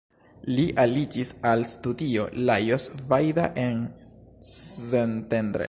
Li aliĝis al studio Lajos Vajda en Szentendre.